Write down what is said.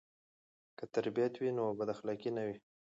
که تربیت وي نو بداخلاقي نه وي.